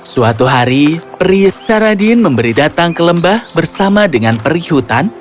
suatu hari pri saradin memberi datang ke lembah bersama dengan perihutan